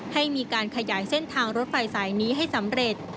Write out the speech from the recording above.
ให้มีการขยายเส้นทางรถไฟสายนี้ให้สำเร็จ